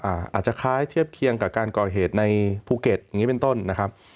อาจจะคล้ายเทียบเคียงกับการก่อเหตุในภูเก็ตอย่างนี้เป็นต้นนะครับ